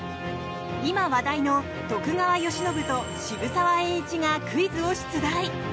今話題の徳川慶喜と渋沢栄一がクイズを出題。